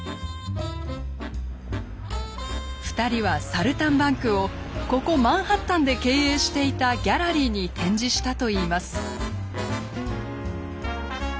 ２人は「サルタンバンク」をここマンハッタンで経営していたギャラリーに展示したといいます。